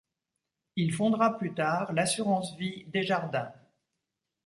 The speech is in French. Il fondera plus tard l'Assurance-vie Desjardins.